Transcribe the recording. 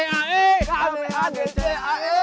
kami agen cae